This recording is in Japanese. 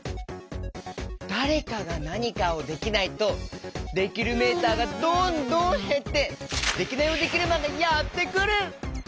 だれかがなにかをできないとできるメーターがどんどんへってデキナイヲデキルマンがやってくる！